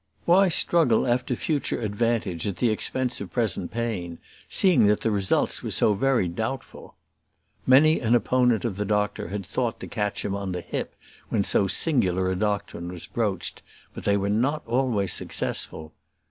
"Why struggle after future advantage at the expense of present pain, seeing that the results were so very doubtful?" Many an opponent of the doctor had thought to catch him on the hip when so singular a doctrine was broached; but they were not always successful.